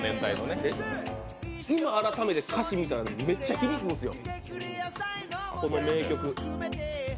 今、改めて歌詞見たらめっちゃ響いてくるんですよ。